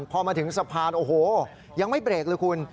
พอมาถึงสะพานโอ้โหยังไม่เบรกเลยคุณ